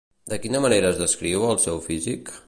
De quina manera es descriu el seu físic?